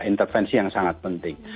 intervensi yang sangat penting